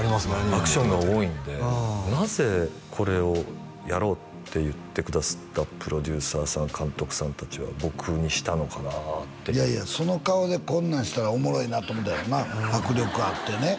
アクションが多いんでなぜこれをやろうって言ってくだすったプロデューサーさん監督さん達は僕にしたのかなっていやいやその顔でこんなんしたらおもろいなと思うたんやろうな迫力あってね